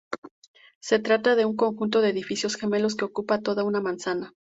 Se trata de un conjunto de edificios gemelos que ocupa toda una manzana.